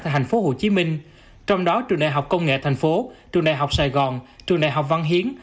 tại tp hcm trong đó trường đại học công nghệ tp trường đại học sài gòn trường đại học văn hiến